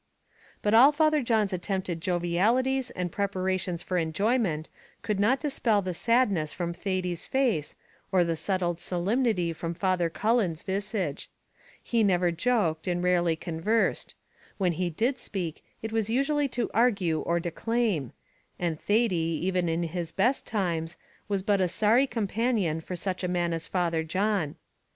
But all Father John's attempted jovialities and preparations for enjoyment could not dispel the sadness from Thady's face, or the settled solemnity from Father Cullen's visage; he never joked, and rarely conversed; when he did speak, it was usually to argue or declaim; and Thady, even in his best times, was but a sorry companion for such a man as Father John.